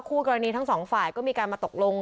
คู่กรณีทั้งสองฝ่ายก็มีการมาตกลง